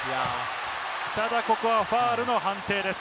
ただここはファウルの判定です。